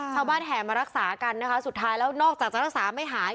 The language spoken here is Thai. แห่มารักษากันนะคะสุดท้ายแล้วนอกจากจะรักษาไม่หาย